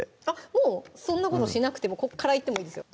もうそんなことしなくてもここからいってもいいですよ